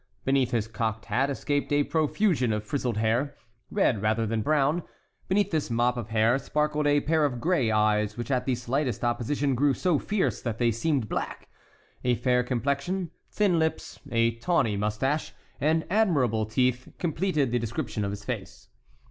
Beneath his cocked hat escaped a profusion of frizzled hair, red rather than brown; beneath this mop of hair sparkled a pair of gray eyes which at the slightest opposition grew so fierce that they seemed black; a fair complexion, thin lips, a tawny mustache, and admirable teeth completed the description of his face.